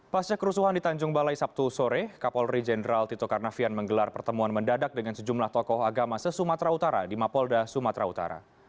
pasca kerusuhan di tanjung balai sabtu sore kapolri jenderal tito karnavian menggelar pertemuan mendadak dengan sejumlah tokoh agama se sumatera utara di mapolda sumatera utara